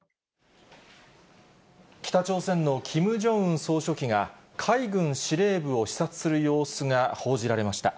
きたーのキム・ジョンウン総書記が、海軍司令部を視察する様子が報じられました。